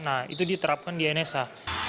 nah itu diterapkan di nsa